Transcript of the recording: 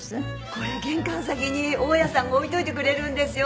これ玄関先に大家さんが置いといてくれるんですよ。